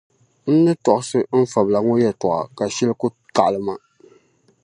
N ni tɔɣisi n fabila ŋɔ yɛtɔɣa ka shɛli ku kaɣili ma.